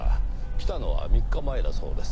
来たのは３日前だそうです。